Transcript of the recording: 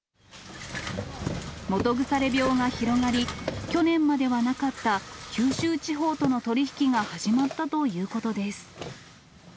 基腐病が広がり、去年まではなかった九州地方との取り引きが始まったということです。